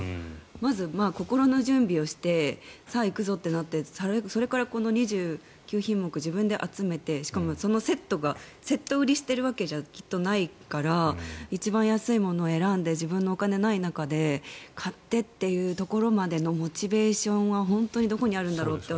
まず、心の準備をしてさあ行くぞとなってそれからこの２９品目を自分で集めてしかもそのセットがセット売りしているわけじゃきっとないから一番安いものを選んで自分のお金がない中で買ってっていうところまでのモチベーションは本当にどこにあるんだろうって